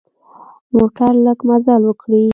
موټر لږ مزل وکړي.